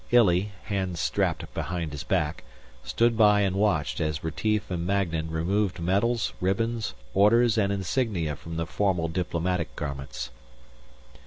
Illy, hands strapped behind his back, stood by and watched as Retief and Magnan removed medals, ribbons, orders and insignia from the formal diplomatic garments.